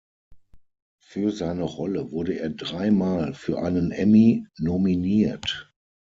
Für seine Rolle wurde er dreimal für einen Emmy nominiert.